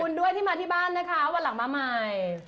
คุณด้วยที่มาที่บ้านนะคะวันหลังมาใหม่